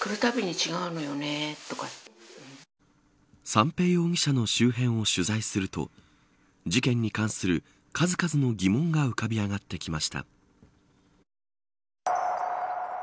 三瓶容疑者の周辺を取材すると事件に関する数々の疑問が浮かび上がってきました。